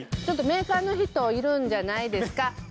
ちょっとメーカーの人いるんじゃないですか？